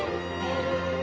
え。